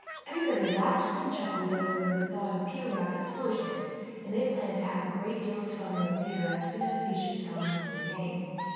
Every body laughed and chuckled over the thought of Peter Rabbit's foolishness, and they planned to have a great deal of fun with Peter as soon as he should tell them his new name.